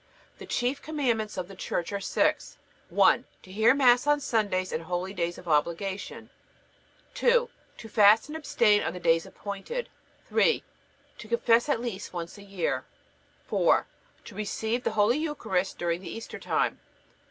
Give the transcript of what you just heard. The chief commandments of the Church are six: 1. To hear Mass on Sundays and holydays of obligation. 2. To fast and abstain on the days appointed. 3. To confess at least once a year. 4. To receive the Holy Eucharist during the Easter time.